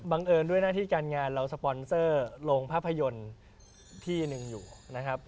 เอิญด้วยหน้าที่การงานเราสปอนเซอร์โรงภาพยนตร์ที่หนึ่งอยู่นะครับ